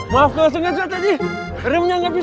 maaf kalau sengaja tadi remnya nggak bisa